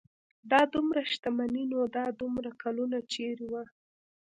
دا دومره شتمني نو دا دومره کلونه چېرې وه.